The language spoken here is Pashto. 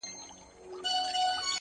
ددې نړۍ وه ښايسته مخلوق ته،